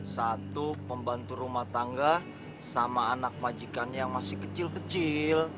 satu pembantu rumah tangga sama anak majikannya yang masih kecil kecil